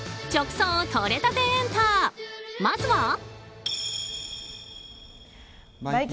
まずは。